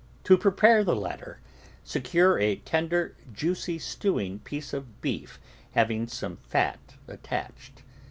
To prepare the latter, se cure a tender, juicy stewing piece of beef having some fat attached.